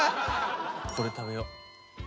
これ食べよう。